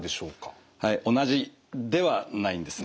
同じではないんですね。